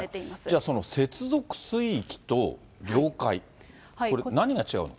じゃあ、その接続水域と領海、これ、何が違うの？